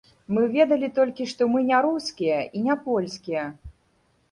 Мы ведалі толькі, што мы не рускія, і не польскія.